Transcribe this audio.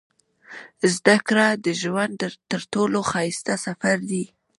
• زده کړه د ژوند تر ټولو ښایسته سفر دی.